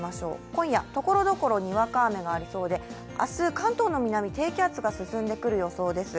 今夜、ところどころにわか雨がありそうで明日、関東の南、低気圧が進んでくる予想です。